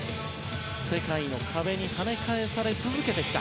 世界の壁にはね返され続けてきた。